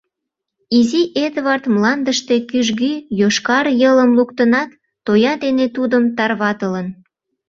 Изи Эдвард мландыште кӱжгӱ, йошкар йылым луктынат, тоя дене тудым тарватылын: